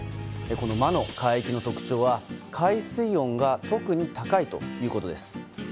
この魔の海域の特徴は海水温が特に高いということです。